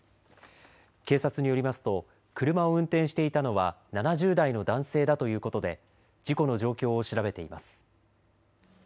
警察によりますと車を運転していたのは７０代の男性だということで事故の状況を調べています。